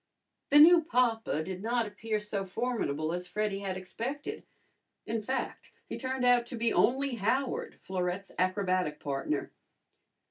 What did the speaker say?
The new papa did not appear so formidable as Freddy had expected. In fact, he turned out to be only Howard, Florette's acrobatic partner.